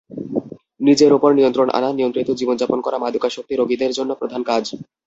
নিজের ওপর নিয়ন্ত্রণ আনা, নিয়ন্ত্রিত জীবন-যাপন করা মাদকাসক্ত রোগীদের জন্য প্রধান কাজ।